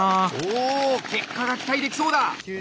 おお結果が期待できそうだ！